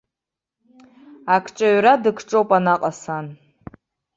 Акҿаҩра дыкҿоуп анаҟа сан.